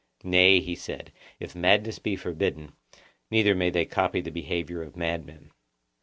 Nay, he said, if madness be forbidden, neither may they copy the behaviour of madmen.